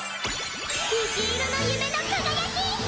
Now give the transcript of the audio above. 虹色の夢の輝き！